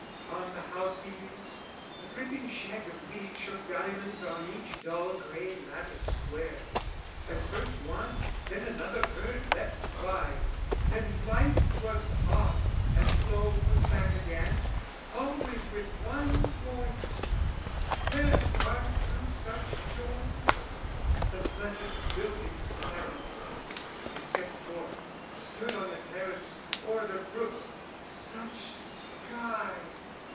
On the house eaves, a dripping shag of weed Shook diamonds on each dull grey lattice square, As first one, then another bird leapt by, And light was off, and lo was back again, Always with one voice, where are two such joys? The blessed building sparrow! I stepped forth, Stood on the terrace, o'er the roofs, such sky!